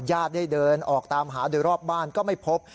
ญาติได้เดินออกตามหาโดยรอบบ้านก็ไม่พบ